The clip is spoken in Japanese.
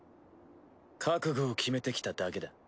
覚悟を決めてきただけだ。